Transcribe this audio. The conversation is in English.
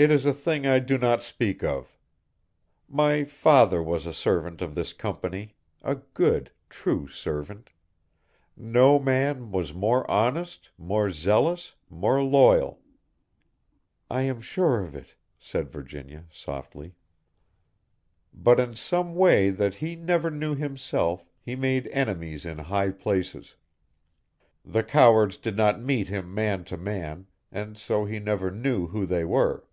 "It is a thing I do not speak of. My father was a servant of this Company, a good, true servant. No man was more honest, more zealous, more loyal." "I am sure of it," said Virginia, softly. "But in some way that he never knew himself he made enemies in high places. The cowards did not meet him man to man, and so he never knew who they were.